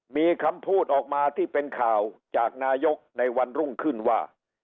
มีคำพูดออกมาที่เป็นข่าวจากนายกในวันรุ่งขึ้นว่า